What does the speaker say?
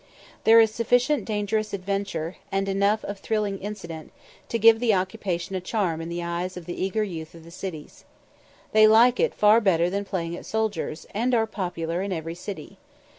There is sufficient dangerous adventure, and enough of thrilling incident, to give the occupation a charm in the eyes of the eager youth of the cities. They like it far better than playing at soldiers, and are popular in every city.